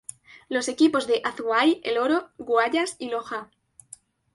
Los equipos de Azuay, El Oro, Guayas y Loja.